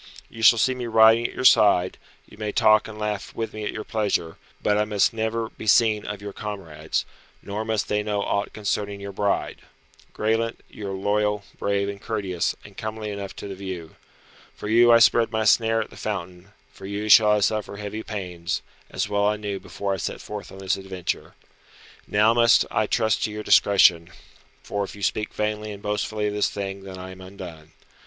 You shall see me riding at your side; you may talk and laugh with me at your pleasure, but I must never be seen of your comrades, nor must they know aught concerning your bride. Graelent, you are loyal, brave, and courteous, and comely enough to the view. For you I spread my snare at the fountain; for you shall I suffer heavy pains, as well I knew before I set forth on this adventure. Now must I trust to your discretion, for if you speak vainly and boastfully of this thing then am I undone.